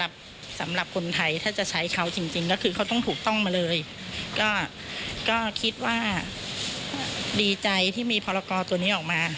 ด้านในที่มีพรากอตัวนี้ออกมา